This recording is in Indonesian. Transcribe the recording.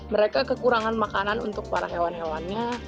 mereka kekurangan makanan untuk para hewan hewannya